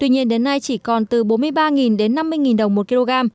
nên đến nay chỉ còn từ bốn mươi ba năm mươi đồng một kg